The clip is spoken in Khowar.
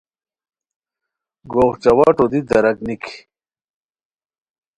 گوغ چاواٹو دی داراک نیکی